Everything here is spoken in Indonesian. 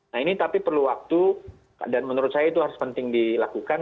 nah ini tapi perlu waktu dan menurut saya itu harus penting dilakukan